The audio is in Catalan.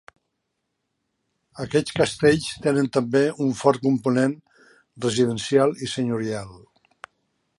Aquests castells tenen també un fort component residencial i senyorial.